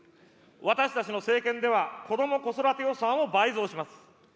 私たちの政権では、子ども・子育て予算を倍増します。